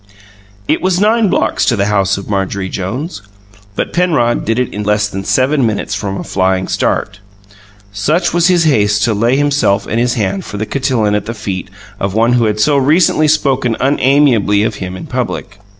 It was nine blocks to the house of Marjorie Jones; but Penrod did it in less than seven minutes from a flying start such was his haste to lay himself and his hand for the cotillon at the feet of one who had so recently spoken unamiably of him in public.